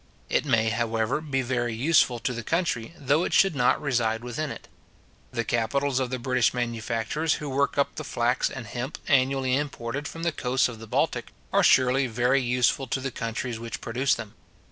It may, however, be very useful to the country, though it should not reside within it. The capitals of the British manufacturers who work up the flax and hemp annually imported from the coasts of the Baltic, are surely very useful to the countries which produce them.